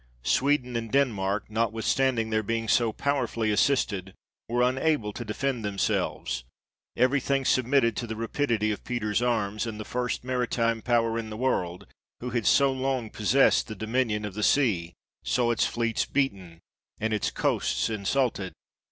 Sweden and Denmark, notwithstanding their being so powerfully assisted, were unable to defend themselves ; every thing submitted to the rapidity of 1 [By the French, in or about 1850.] 4 INTRODUCTION. Peter's arms, and the first maritime power in the world, who had so long possessed the dominion of the sea, saw its fleets beaten, and its coasts insulted.